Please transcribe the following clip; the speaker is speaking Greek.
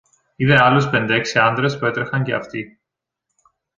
είδε άλλους πέντε-έξι άντρες που έτρεχαν και αυτοί.